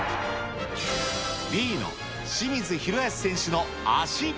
Ｂの清水宏保選手の脚。